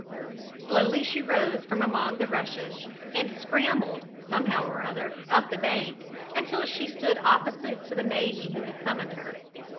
Slowly she rose from among the rushes, and scrambled, somehow or other, up the bank, until she stood opposite to the maiden who had summoned her.